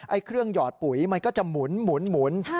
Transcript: เครื่องหยอดปุ๋ยมันก็จะหมุน